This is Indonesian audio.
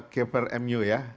keeper mu ya